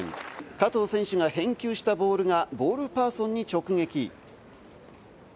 加藤選手が返球したボールがボールパーソンに直撃。